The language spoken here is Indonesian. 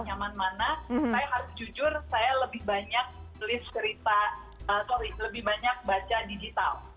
saya harus jujur saya lebih banyak tulis cerita sorry lebih banyak baca digital